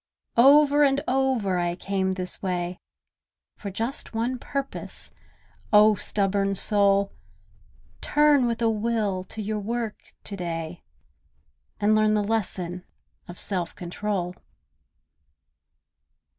Over and over I came this way For just one purpose: O stubborn soul! Turn with a will to your work to day, And learn the lesson of Self Control.